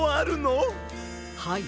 はい。